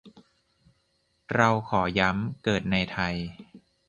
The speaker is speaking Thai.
เราขอย้ำ เกิดในไทย